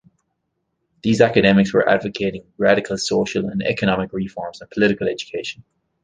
These academics were advocating radical social and economic reforms and political education.